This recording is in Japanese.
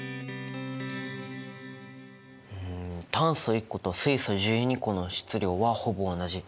うん炭素１個と水素１２個の質量はほぼ同じ。